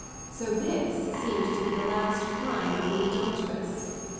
So this seemed to he the last crime of the adulteress.